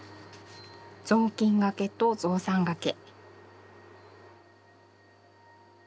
「ぞうきんがけとぞうさんがけ」。